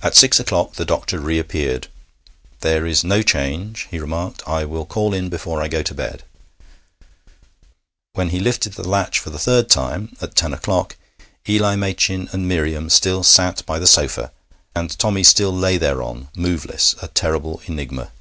At six o'clock the doctor reappeared. 'There is no change,' he remarked. 'I will call in before I go to bed.' When he lifted the latch for the third time, at ten o'clock, Eli Machin and Miriam still sat by the sofa, and Tommy still lay thereon, moveless, a terrible enigma.